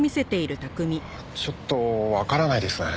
ちょっとわからないですね。